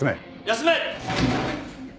休め。